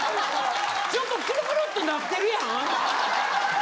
ちょっとクルクルってなってるやん？